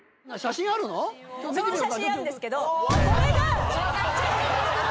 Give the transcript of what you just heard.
その写真あるんですけどこれが。